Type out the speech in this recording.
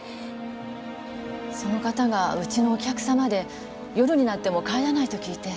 その方がうちのお客様で夜になっても帰らないと聞いて。